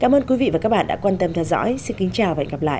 hẹn gặp lại các bạn trong những video tiếp theo